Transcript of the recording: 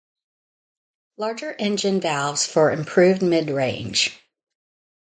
Larger engine valves for improved midrange.